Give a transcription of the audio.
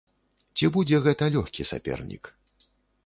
Ці будзе гэта лёгкі сапернік?